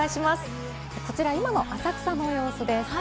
こちら今の浅草の様子です。